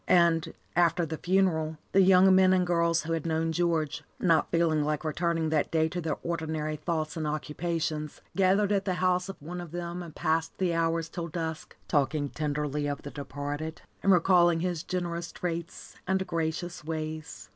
And, after the funeral, the young men and girls who had known George, not feeling like returning that day to their ordinary thoughts and occupations, gathered at the house of one of them and passed the hours till dusk, talking tenderly of the departed, and recalling his generous traits and gracious ways.